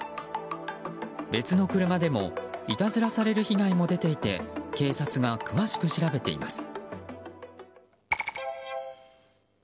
別の車でもいたずらされる被害も出ていて警察がくわしく調べています。